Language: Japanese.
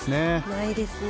ないですね。